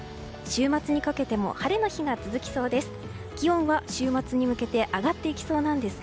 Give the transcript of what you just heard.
週末にかけても晴れの日が続きそうです。